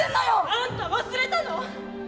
「あんた忘れたの？